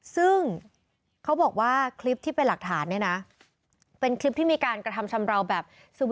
ซึ่งเขาบอกว่าคลิปที่เป็นหลักฐานเนี่ยนะเป็นคลิปที่มีการกระทำชำราวแบบ